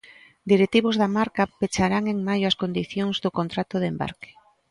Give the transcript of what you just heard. Directivos da marca pecharán en maio as condicións do contrato de embarque.